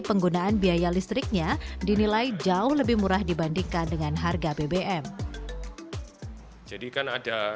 penggunaan biaya listriknya dinilai jauh lebih murah dibandingkan dengan harga bbm jadi kan ada